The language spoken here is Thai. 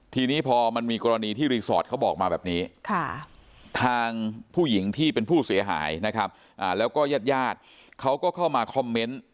ทีนี้พอมันมีกรณีที่รีสอร์ทเขาบอกมาแบบนี้ทางผู้หญิงที่เป็นผู้เสียหายนะครับแล้วก็ญาติญาติเขาก็เข้ามาคอมเมนต์